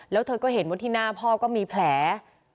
แล้วเธอก็เห็นว่าที่หน้าพ่อก็มีแผล